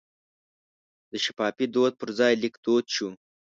د شفاهي دود پر ځای لیک دود شو.